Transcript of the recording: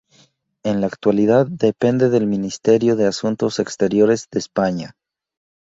En la actualidad depende del Ministerio de Asuntos Exteriores de España.